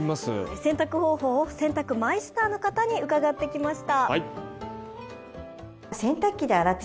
洗濯方法を洗濯マイスターの方に伺ってきました。